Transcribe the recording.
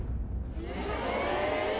え！